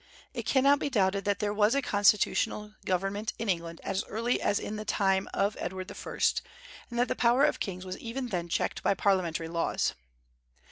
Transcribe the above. It cannot be doubted that there was a constitutional government in England as early as in the time of Edward I., and that the power of kings was even then checked by parliamentary laws.